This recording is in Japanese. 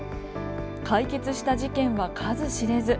解決した事件は数知れず。